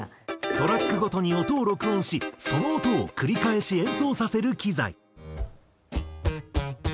トラックごとに音を録音しその音を繰り返し演奏させる機材。